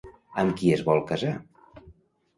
Amb qui es vol casar?